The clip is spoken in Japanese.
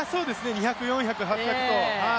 ２００、４００、８００と。